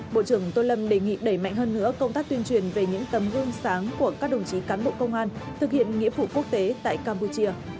bộ trưởng tô lâm đề nghị đẩy mạnh hơn nữa công tác tuyên truyền về những tấm gương sáng của các đồng chí cán bộ công an thực hiện nghĩa vụ quốc tế tại campuchia